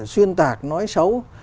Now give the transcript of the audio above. xuyên tạc nói xấu